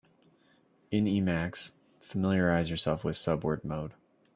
In Emacs, familiarize yourself with subword mode.